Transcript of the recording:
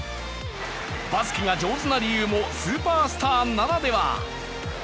バスケが上手な理由もスーパースターならでは。